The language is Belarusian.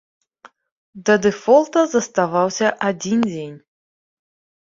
Да дэфолта заставаўся адзін дзень.